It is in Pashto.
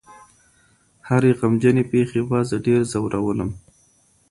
هرې غمجنې پېښې به زه ډېر ځورولم.